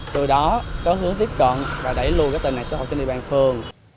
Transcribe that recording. từ đó có hướng tiếp cận và đẩy lùi tệ nạn xã hội trên địa bàn phường